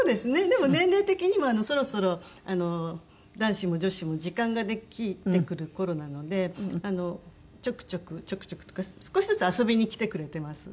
でも年齢的にもそろそろ男子も女子も時間ができてくる頃なのでちょくちょくちょくちょくというか少しずつ遊びに来てくれてます